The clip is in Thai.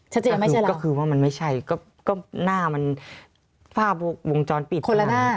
ชัดเจนไม่ใช่เราก็คือว่ามันไม่ใช่ก็หน้ามันฝ้าบวงจรปิดคนละหน้า